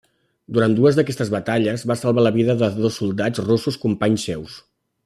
Durant dues d'aquestes batalles, va salvar la vida de dos soldats russos companys seus.